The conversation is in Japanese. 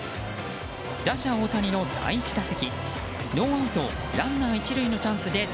打者・大谷の第１打席。